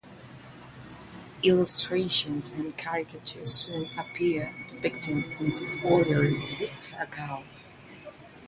Illustrations and caricatures soon appeared depicting Mrs. O'Leary with her cow.